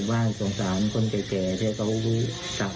ก็โสงสารคนในบุหร์บ้าน